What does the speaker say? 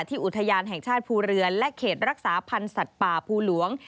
อุทยานแห่งชาติภูเรือและเขตรักษาพันธ์สัตว์ป่าภูหลวง